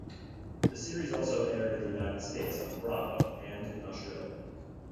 The series also aired in the United States on Bravo, and in Australia.